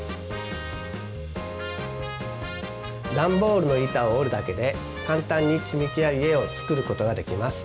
ダンボールの板を折るだけで簡単につみきや家を作ることができます。